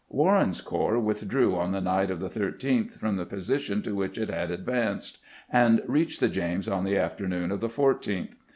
Warren's corps withdrew on the night of the 13th from the position to which it had advanced, and reached the James on the afternoon of the 14th.